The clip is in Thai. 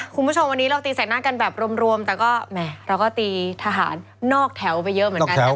คุณผู้ชมวันนี้เราตีแสกหน้ากันแบบรวมแต่ก็แหมเราก็ตีทหารนอกแถวไปเยอะเหมือนกันนะคะ